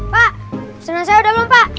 pak pesanan saya udah belum pak